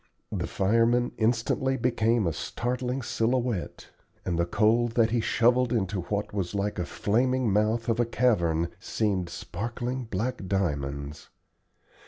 The fireman instantly became a startling silhouette, and the coal that he shovelled into what was like a flaming mouth of a cavern seemed sparkling black diamonds.